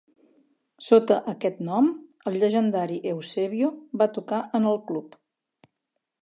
Sota aquest nom, el llegendari Eusébio va tocar en el club.